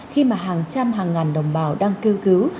khi mà hàng trăm hàng ngàn đồng bào đang kêu cứu